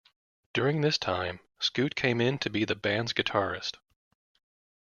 During this time Scoot came in to be the band's guitarist.